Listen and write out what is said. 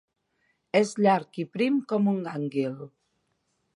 És llarg i prim com un gànguil.